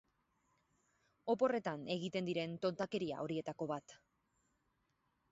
Oporretan egiten diren tontakeria horietako bat.